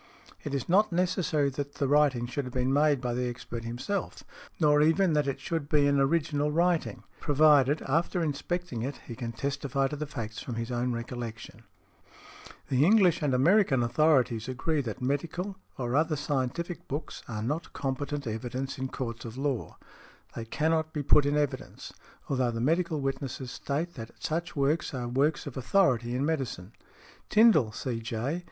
It is not necessary that the writing should have been made by the expert himself, nor even that it should be an original |99| writing, provided, after inspecting it, he can testify to the facts from his own recollection . The English and American authorities agree that medical, or other scientific books, are not competent evidence in courts of law; they cannot be put in evidence, although the medical witnesses state that such books are works of authority in medicine. Tindal, C.J.